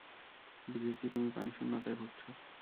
বুঝেছি, তুমি পানিশূন্যতায় ভুগছো।